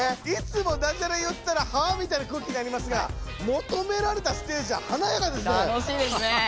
いつもダジャレ言ったら「はあ？」みたいな空気になりますがもとめられたステージでははなやかですね。